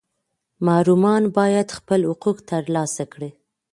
محرومان باید خپل حقوق ترلاسه کړي.